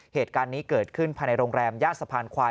เหตุการณ์นี้เกิดขึ้นภายในโรงแรมย่านสะพานควาย